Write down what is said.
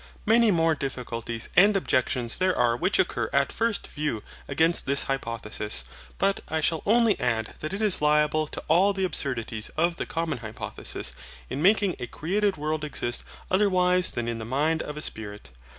Many more difficulties and objections there are which occur at first view against this hypothesis; but I shall only add that it is liable to all the absurdities of the common hypothesis, in making a created world exist otherwise than in the mind of a Spirit.